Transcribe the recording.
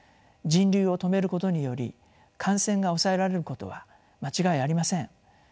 人流を止めることにより感染が抑えられることは間違いありません。